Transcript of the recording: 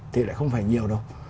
thì lại không phải nhiều đâu